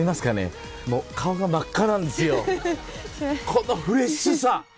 このフレッシュさ！